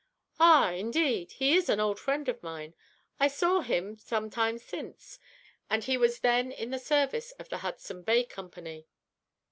"Ah! indeed. He is an old friend of mine. I saw him some time since, and he was then in the service of the Hudson Bay Company."